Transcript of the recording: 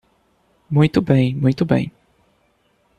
Muito bem, muito bem.